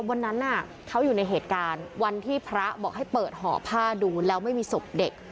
วันนั้นเขาอยู่ในเหตุการณ์วันที่พระบอกให้เปิดห่อผ้าดูแล้วไม่มีศพเด็ก